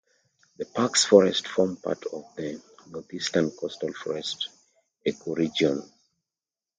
The park's forests form part of the Northeastern coastal forests ecoregion.